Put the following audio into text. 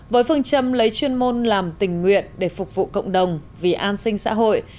với phương châm lấy chuyên môn làm tình nguyện để phục vụ cộng đồng vì an sinh xã hội